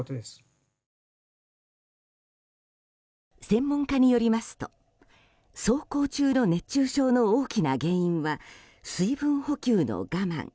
専門家によりますと走行中の熱中症の大きな原因は水分補給の我慢